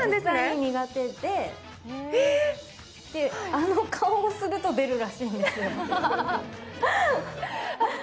あの顔をすると出るらしいんですよ。